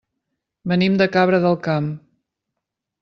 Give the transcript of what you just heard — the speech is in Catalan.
Venim de Cabra del Camp.